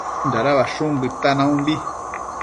Dada ushu bëtan naumbi